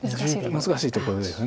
難しいところです。